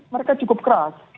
mereka cukup keras